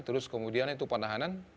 terus kemudian itu penahanan